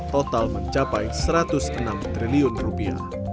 total mencapai satu ratus enam triliun rupiah